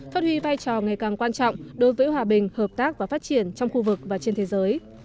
phát huy vai trò ngày càng quan trọng đối với hòa bình hợp tác và phát triển trong khu vực và trên thế giới